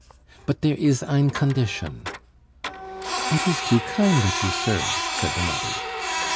"But dere is ein condition " "It is too kind of you, sir," said the mother.